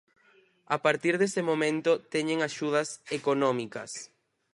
A partir dese momento teñen axudas económicas.